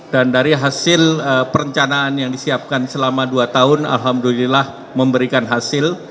dan dari hasil perencanaan yang disiapkan selama dua tahun alhamdulillah memberikan hasil